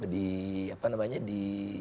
di apa namanya di